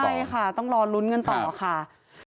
ใช่ค่ะต้องรอลุ้นกันต่อค่ะ